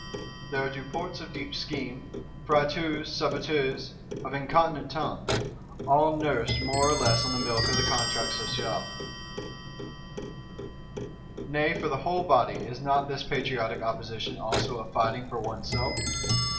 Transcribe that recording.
There are Duports of deep scheme; Fréteaus, Sabatiers, of incontinent tongue: all nursed more or less on the milk of the Contrat Social. Nay, for the whole Body, is not this patriotic opposition also a fighting for oneself?